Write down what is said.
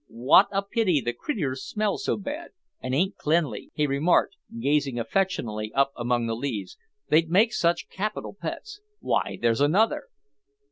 "Wot a pity the creeturs smell so bad, and ain't cleanly," he remarked, gazing affectionately up among the leaves, "they'd make such capital pets; why, there's another."